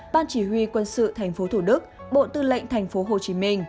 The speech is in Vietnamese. ban chỉ huy quân sự tp thủ đức bộ tư lệnh tp hcm